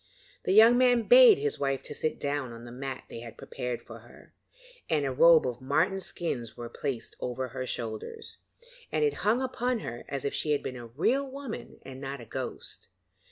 The young man bade his wife sit down on the mat they had prepared for her, and a robe of marten skins was placed over her shoulders, and it hung upon her as if she had been a real woman and not a ghost.